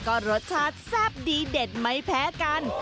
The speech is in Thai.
ก็รสชาติแซ่บดีเด็ดไม่แพ้กัน